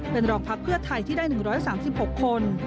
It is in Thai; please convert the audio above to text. เป็นรองพักเพื่อไทยที่ได้๑๓๖คน